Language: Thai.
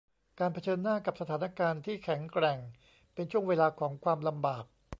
การเผชิญหน้ากับสถานการณ์ที่แข็งแกร่งเป็นช่วงเวลาของความลำบาก